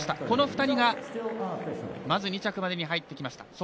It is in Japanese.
この２人が２着までに入ってきました。